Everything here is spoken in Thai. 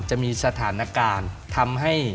จะมีสถานการณ์ทำให้